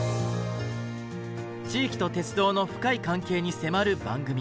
地域と鉄道の深い関係に迫る番組。